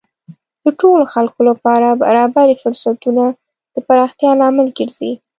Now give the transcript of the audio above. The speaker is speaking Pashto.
د ټولو خلکو لپاره برابرې فرصتونه د پراختیا لامل ګرځي.